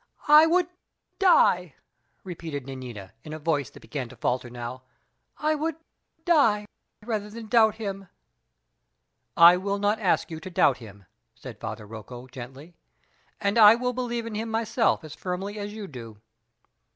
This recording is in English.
"I would die," repeated Nanina, in a voice that began to falter now. "I would die rather than doubt him." "I will not ask you to doubt him," said Father Rocco, gently; "and I will believe in him myself as firmly as you do.